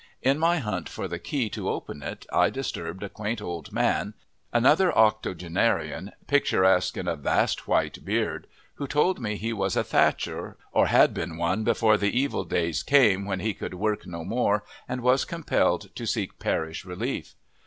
In my hunt for the key to open it I disturbed a quaint old man, another octogenarian, picturesque in a vast white beard, who told me he was a thatcher, or had been one before the evil days came when he could work no more and was compelled to seek parish relief.